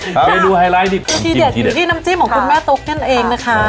ตั้งได้ดูไฮไลท์ยูทีเด็ดนี่นำจิ้มของคุณแม่สตุ๊กนี่นเองนะคะ